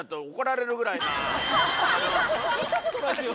聞いたことないですよ。